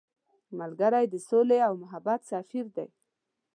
ملګری د سولې او محبت سفیر دی